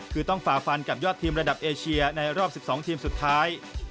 คือต้องฝ่าฟันกับยอดทีมระดับเอเชียในรอบ๑๒ทีมสุดท้าย